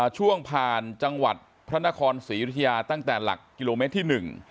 ช่วงผ่านจังหวัดพระนครศรียุธยาตั้งแต่หลักกิโลเมตรที่๑